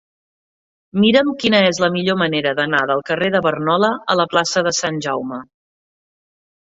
Mira'm quina és la millor manera d'anar del carrer de Barnola a la plaça de Sant Jaume.